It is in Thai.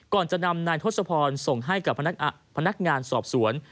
ก่อนจะนำนายทศพรส่งให้กับพนักงานสอบสวน